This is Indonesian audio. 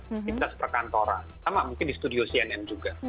aktivitas perkantoran sama mungkin di studio cnn juga